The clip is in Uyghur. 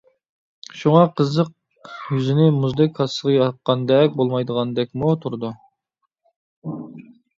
شۇڭا قىزىق يۈزىنى مۇزدەك كاسىغا ياققاندەك بولمايدىغاندەكمۇ تۇرىدۇ.